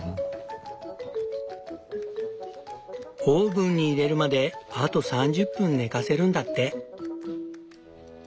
オーブンに入れるまであと３０分寝かせるんだって。